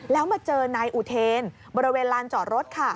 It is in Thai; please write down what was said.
แล้วมาเจอนายอุเทนบริเวณลานจอดรถค่ะ